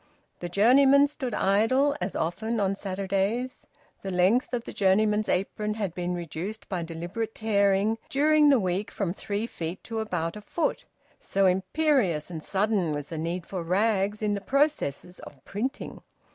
The journeyman stood idle; as often, on Saturdays, the length of the journeyman's apron had been reduced by deliberate tearing during the week from three feet to about a foot so imperious and sudden was the need for rags in the processes of printing.